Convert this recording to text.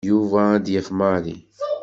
Yuba ad d-yaf Mary.